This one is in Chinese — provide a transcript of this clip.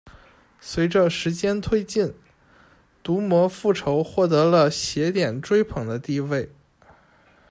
随着时间推进，《毒魔复仇》获得了邪典追捧的地位。